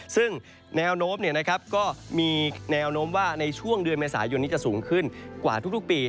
ซึ่งแนวโน้มก็มีแนวโน้มว่าในช่วงเดือนเมษายนนี้จะสูงขึ้นกว่าทุกปี